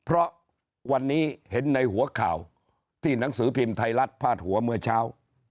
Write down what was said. เพราะวันนี้เห็นในหัวข่าวที่หนังสือพิมพ์ไทยรัฐพาดหัวเมื่อเช้า